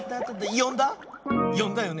よんだよね？